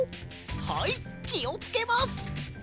はいきをつけます！